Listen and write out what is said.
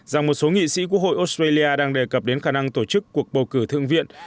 rằng một số nghị sĩ quốc hội australia đang đề cập đến khả năng tổ chức cuộc bầu cử thượng viện